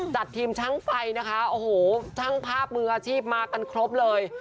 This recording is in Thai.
จัดทีมช่างไฟนะคะโอ้โหช่างภาพมืออาชีพมากันครบเลย